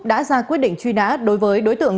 đã ra quyết định truy nã đối với đối tượng